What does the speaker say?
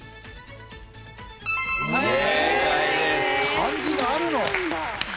漢字があるの！？